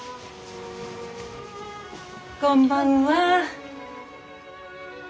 こんばんは。